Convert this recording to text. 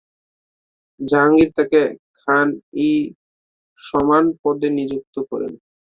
জাহাঙ্গীর তাকে খান-ই-সামান পদে নিযুক্ত করেন।